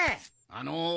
あの。